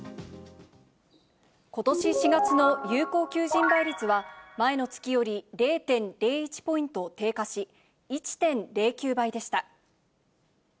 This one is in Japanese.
ことし４月の有効求人倍率は、前の月より０．０１ポイント低下し、１．０９倍でした。